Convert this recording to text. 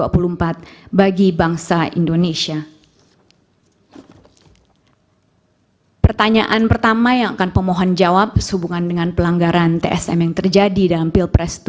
ketiga bagaimana cara menyikapi pelanggaran tsm yang terjadi dalam pilpres dua ribu dua puluh empat